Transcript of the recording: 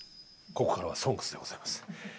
ここからは「ＳＯＮＧＳ」でございます。